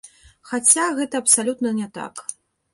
Хаця, гэта абсалютна не так.